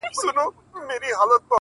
د رنځور لېوه ژړا یې اورېدله٫